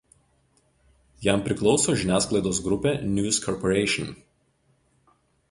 Jam priklauso žiniasklaidos grupė „News Corporation“.